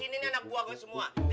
ya kan sih